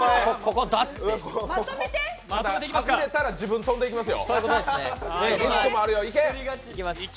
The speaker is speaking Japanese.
これ、外れたら自分飛んでいきますよ。